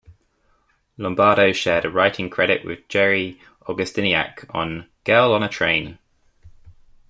Lombardo shared a writing credit with Jerry Augustyniak on "Girl on a Train".